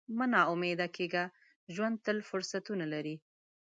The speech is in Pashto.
مه نا امیده کېږه، ژوند تل فرصتونه لري.